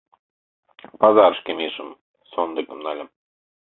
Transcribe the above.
Пазарышке мийышым, сондыкым нальым.